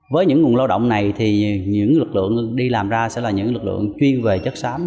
với những nguồn lao động này thì những lực lượng đi làm ra sẽ là những lực lượng chuyên về chất xám